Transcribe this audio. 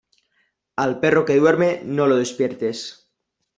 Al perro que duerme, no lo despiertes.